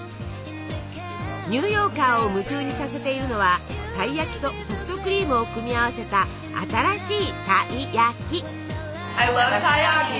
ニューヨーカーを夢中にさせているのはたい焼きとソフトクリームを組み合わせた新しい「タイヤキ」！